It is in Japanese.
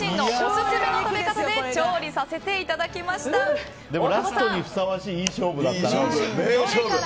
ラストにふさわしいいい勝負だったな。